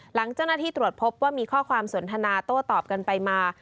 หลังเจ้าหน้าที่ตรวจพบว่ามีข้อความสนทนาโต้ตอบกันไปมา